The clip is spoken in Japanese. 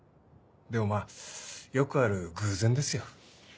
でもまぁよくある偶然ですよ。